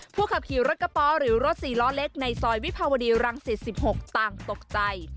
ขับขี่รถกระป๋อหรือรถ๔ล้อเล็กในซอยวิภาวดีรังสิต๑๖ต่างตกใจ